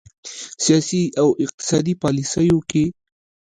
سیاسي او اقتصادي پالیسیو کې